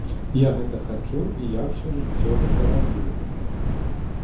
Я гэта хачу і я ўсё жыццё гэта раблю.